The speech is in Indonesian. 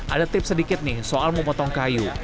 ada tips sedikit nih soal memotong kayu